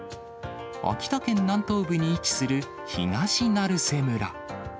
秋田県南東部に位置する東成瀬村。